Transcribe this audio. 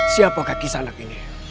siapakah kisah anak ini